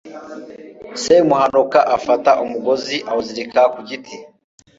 semuhanuka afata umugozi, awuzirika ku giti